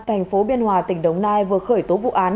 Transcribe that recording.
thành phố biên hòa tỉnh đồng nai vừa khởi tố vụ án